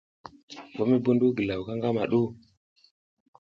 Wa mi mbuɗuw ngilaw ka ngama ɗu ?